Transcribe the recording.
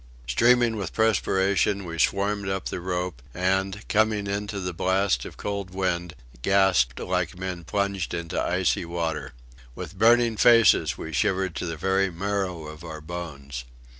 Streaming with perspiration, we swarmed up the rope, and, coming into the blast of cold wind, gasped like men plunged into icy water. With burning faces we shivered to the very marrow of our bones.